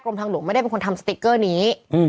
ทางหลวงไม่ได้เป็นคนทำสติ๊กเกอร์นี้